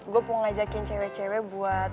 gue mau ngajakin cewe cewe buat